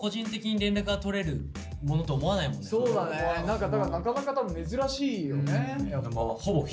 そうだね何かなかなか多分珍しいよね。